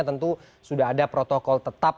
tentu sudah ada protokol tetap